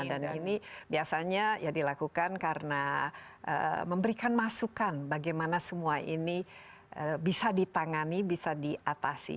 dan ini biasanya dilakukan karena memberikan masukan bagaimana semua ini bisa ditangani bisa diatasi